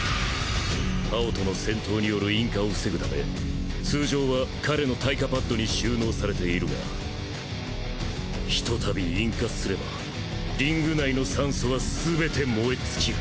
ハオとの戦闘による引火を防ぐため通常は彼の耐火パットに収納されているがひとたび引火すればリング内の酸素はすべて燃え尽きる。